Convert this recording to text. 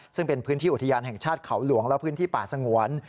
ซึ่งเป็นพื้นที่อุทยานแห่งชาติเขาหลวงและพื้นที่ป่าสงวน